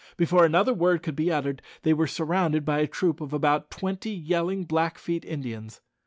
Before another word could be uttered, they were surrounded by a troop of about twenty yelling Blackfeet Indians.